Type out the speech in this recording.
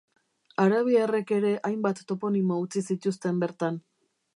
Arabiarrek ere hainbat toponimo utzi zituzten bertan.